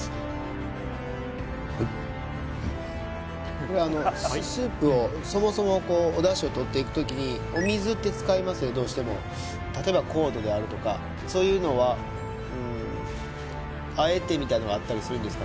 これスープをそもそもお出汁をとっていく時にお水って使いますよねどうしても例えば硬度であるとかそういうのはあえてみたいなのがあったりするんですか？